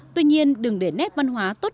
tuy nhiên đừng để nét văn hóa tốt